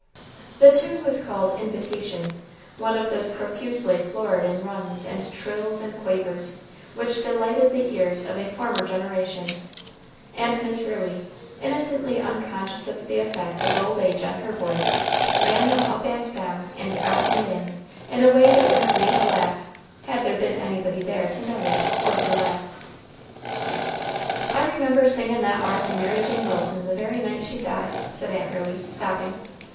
The tune was called "Invitation," one of those profusely florid in runs, and trills, and quavers, which delighted the ears of a former generation; and Miss Ruey, innocently unconscious of the effect of old age on her voice, ran them up and down, and out and in, in a way that would have made a laugh, had there been anybody there to notice or to laugh. "I remember singin' that ar to Mary Jane Wilson the very night she died," said Aunt Ruey, stopping.